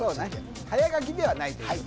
早書きではないという。